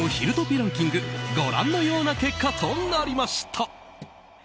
ランキングご覧のような結果となりました。